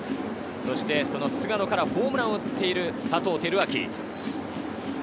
その菅野からホームランを打っている佐藤輝明。